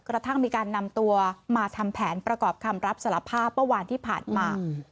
กระทั่งมีการนำตัวมาทำแผนประกอบคำรับสารภาพเมื่อวานที่ผ่านมา